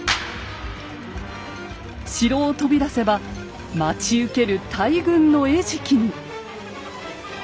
城を飛び出せば待ち受ける大軍の餌食に。